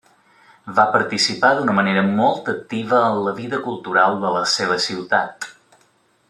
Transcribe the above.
Va participar d'una manera molt activa en la vida cultural de la seva ciutat.